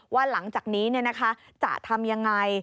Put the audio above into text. ว่าหลังจากนี้จะทำยังไง